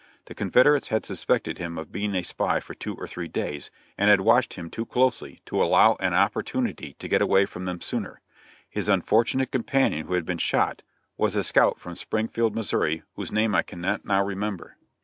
The Confederates had suspected him of being a spy for two or three days, and had watched him too closely to allow an opportunity to get away from them sooner. His unfortunate companion who had been shot, was a scout from Springfield, Missouri, whose name I cannot now remember.